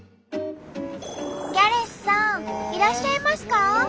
ギャレスさんいらっしゃいますか？